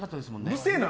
うるせえな！